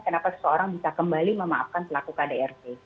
kenapa seseorang bisa kembali memaafkan pelaku kdrt